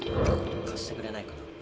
貸してくれないかな？